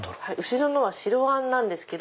後ろのは白あんなんですけど。